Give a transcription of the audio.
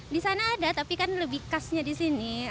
di sana ada tapi kan lebih khasnya di sini